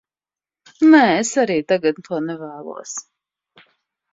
Nē, es arī tagad to nevēlos.